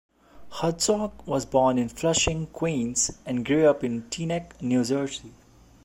Hertzog was born in Flushing, Queens and grew up in Teaneck, New Jersey.